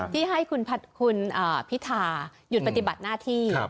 ที่ให้คุณพิธาหยุดปฏิบัติหน้าที่